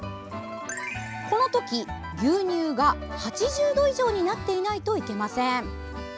この時、牛乳が８０度以上になっていないといけません。